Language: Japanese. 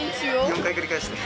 ４回繰り返して。